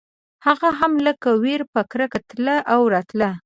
هغه هم لکه وېره په کرکه تله او راتله.